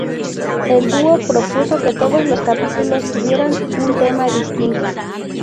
El dúo propuso que todos los capítulos tuvieran un tema distinto.